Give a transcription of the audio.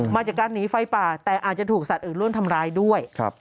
มาจากการหนีไฟป่าแต่อาจจะถูกสัตว์อื่นร่วมทำร้ายด้วย